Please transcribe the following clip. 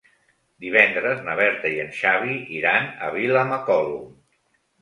Divendres na Berta i en Xavi iran a Vilamacolum.